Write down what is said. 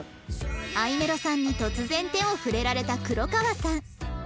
あいめろさんに突然手を触れられた黒川さん